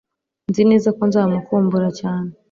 Nzi neza ko nzamukumbura cyane